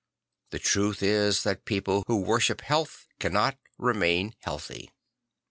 The truth is that people who worship health cannot remain healthy.